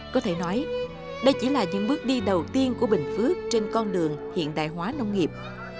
có thể nói đây chỉ là những bước đi đầu tiên của bình phước trên con đường hiện đại hóa nông nghiệp